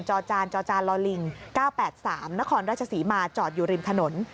จอจานลลิง๙๘๓นครราชศรีมาจอดอยู่ริมถนน